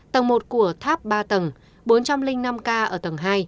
tầng một của tháp ba tầng bốn trăm linh năm k ở tầng hai